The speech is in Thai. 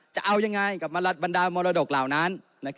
จะเอายังไงกับบรรดามรดกเหล่านั้น